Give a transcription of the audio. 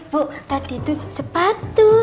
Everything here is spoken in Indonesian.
bu tadi tuh sepatu